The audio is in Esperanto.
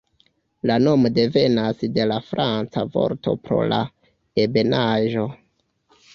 La nomo devenas de la franca vorto por 'la ebenaĵo'.